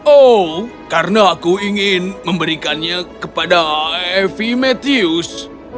oh karena aku ingin memberikannya kepada evimetheus